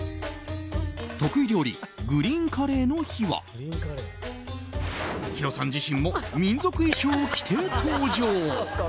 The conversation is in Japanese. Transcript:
得意料理グリーンカレーの日はヒロさん自身も民族衣装を着て登場。